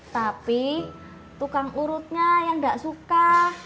tapi tukang urutnya yang gak suka